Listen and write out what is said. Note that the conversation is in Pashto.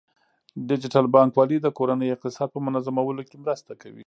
ډیجیټل بانکوالي د کورنۍ اقتصاد په منظمولو کې مرسته کوي.